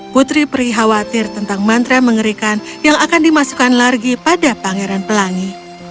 putri pri khawatir tentang mantra mengerikan yang akan dimasukkan lagi pada pangeran pelangi